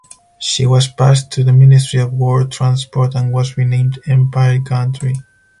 She was passed to the Ministry of War Transport and was renamed "Empire Gantry".